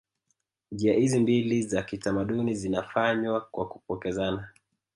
Njia hizi mbili za kitamaduni zinafanywa kwa kupokezana